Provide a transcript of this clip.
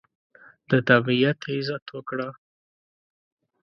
د طبیعت عزت وکړه.